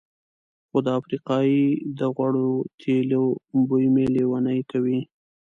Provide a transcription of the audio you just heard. خو د افریقایي د غوړو تېلو بوی مې لېونی کوي.